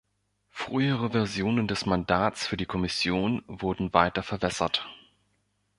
Frühere Versionen des Mandats für die Kommission wurden weiter verwässert.